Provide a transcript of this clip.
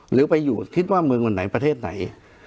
หรือไปอยู่คิดว่าเมืองวันไหนประเทศไหน